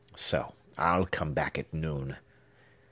So, I'll come back at noon."